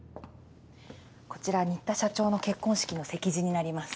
こちら新田社長の結婚式の席次になります